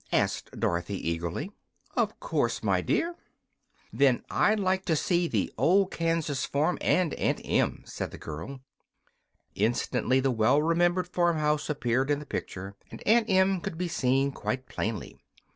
asked Dorothy, eagerly. "Of course, my dear." "Then I'd like to see the old Kansas farm, and Aunt Em," said the girl. Instantly the well remembered farmhouse appeared in the picture, and Aunt Em could be seen quite plainly.